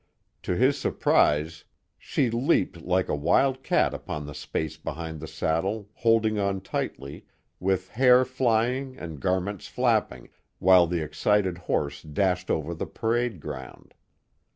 To his surprise she leaped like a wild cat upon Sir William Johnson 121 the space behind the saddle, holding on tightly, with hair fly ing and garments flapping, while the excited horse dashed over the parade ground.